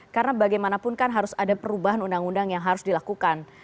karena bagaimanapun kan harus ada perubahan undang undang yang harus dilakukan